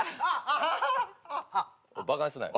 バカにすなよ。